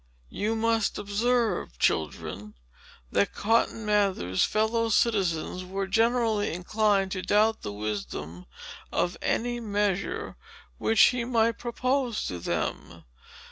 You must observe, children, that Cotton Mather's fellow citizens were generally inclined to doubt the wisdom of any measure, which he might propose to them.